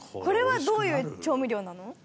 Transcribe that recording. これはどういう調味料なの？